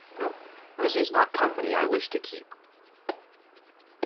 This is not company I wish to keep.